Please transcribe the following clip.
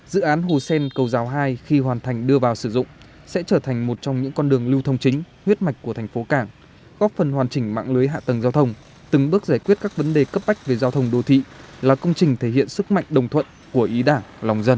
dự án hồ sen cầu giáo hai khi hoàn thành đưa vào sử dụng sẽ trở thành một trong những con đường lưu thông chính huyết mạch của thành phố cảng góp phần hoàn chỉnh mạng lưới hạ tầng giao thông từng bước giải quyết các vấn đề cấp bách về giao thông đô thị là công trình thể hiện sức mạnh đồng thuận của ý đảng lòng dân